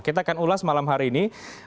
kita akan ulas malam hari ini